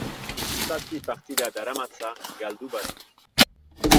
Zazpi partida daramatza galdu barik.